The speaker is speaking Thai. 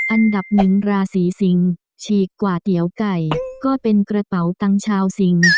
อันดับหนึ่งราศีสิงฉีกก๋วยเตี๋ยวไก่ก็เป็นกระเป๋าตังชาวสิง